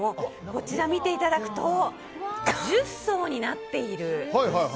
こちら、見ていただくと１０層になっているんです。